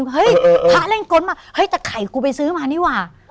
เฮ้ยพระเล่นกนมาแต่ไข่กูไปซื้อมานี่หว่า